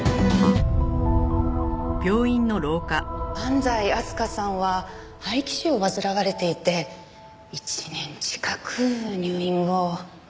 安西明日香さんは肺気腫を患われていて１年近く入院を。